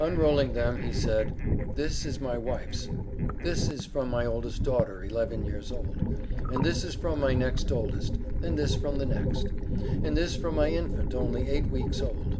Unrolling them, he said, "this is my wife's;" "this is from my oldest daughter, eleven years old;" "and this is from my next oldest;" "and this from the next," "and this from my infant, only eight weeks old."